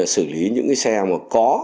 sử lý những cái xe mà có